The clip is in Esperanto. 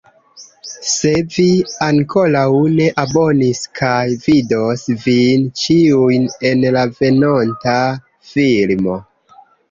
Se vi ankoraŭ ne abonis kaj vidos vin ĉiujn en la venonta filmo